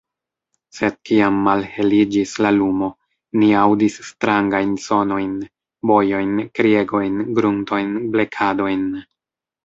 Sed kiam malheliĝis la lumo, ni aŭdis strangajn sonojn, bojojn, kriegojn, gruntojn, blekadojn.